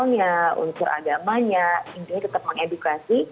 misalnya unsur agamanya intinya tetap mengedukasi